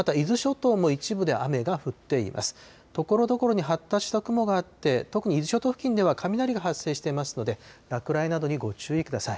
ところどころに発達した雲があって、特に伊豆諸島付近では、雷が発生していますので、落雷などにご注意ください。